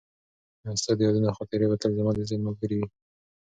ستا د یادونو خاطرې به تل زما د ذهن ملګرې وي.